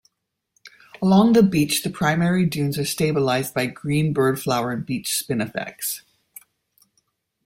Along the beach, the primary dunes are stabilised by green birdflower and beach spinifex.